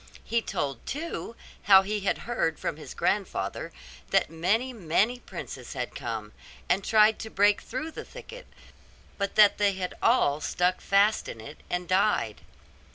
He told, too, how he had heard from his grandfather that many, many princes had come, and had tried to break through the thicket, but that they had all stuck fast in it, and died.